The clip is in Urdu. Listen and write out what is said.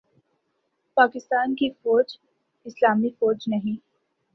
پاکستان کی فوج اسلامی فوج نہیں